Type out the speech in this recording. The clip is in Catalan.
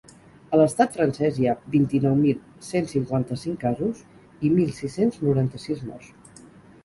A l’estat francès hi ha vint-i-nou mil cent cinquanta-cinc casos i mil sis-cents noranta-sis morts.